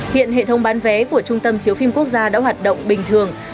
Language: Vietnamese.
hiện hệ thống bán vé của trung tâm chiếu phim quốc gia đã hoạt động bình thường